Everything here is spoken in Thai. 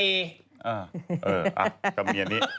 เออเออกับเมียนี้